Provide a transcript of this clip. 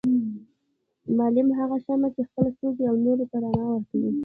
معلم هغه شمعه چي خپله سوزي او نورو ته رڼا ورکوي